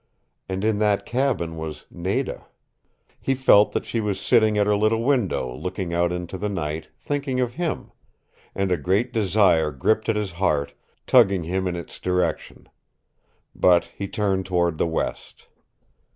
And in that cabin was Nada. He felt that she was sitting at her little window, looking out into the night, thinking of him and a great desire gripped at his heart, tugging him in its direction. But he turned toward the west.